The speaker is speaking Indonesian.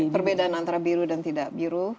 perbedaan antara biru dan tidak biru